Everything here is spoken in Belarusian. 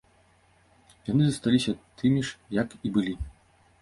Яны засталіся тымі ж, як і былі.